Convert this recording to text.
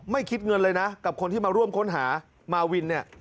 คิดเงินเลยนะกับคนที่มาร่วมค้นหามาวินเนี่ย